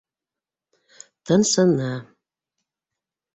Тынсыны.